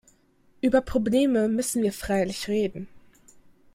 Über Probleme müssen wir freilich reden.